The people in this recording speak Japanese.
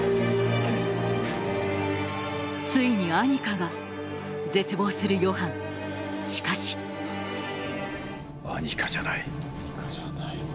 ついにアニカが絶望するヨハンしかしアニカじゃない。